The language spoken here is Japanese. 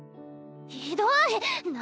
ひどい！何？